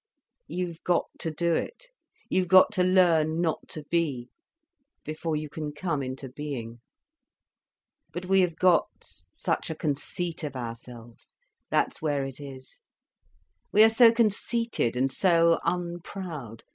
You've got to do it. You've got to learn not to be, before you can come into being. "But we have got such a conceit of ourselves—that's where it is. We are so conceited, and so unproud.